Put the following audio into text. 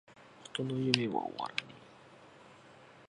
人の夢は!!!終わらねェ!!!!